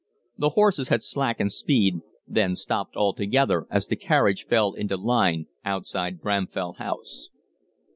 The horses had slackened speed, then stopped altogether as the carriage fell into line outside Bramfell House.